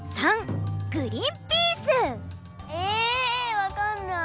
わかんない！